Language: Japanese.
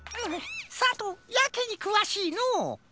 さとうやけにくわしいのう。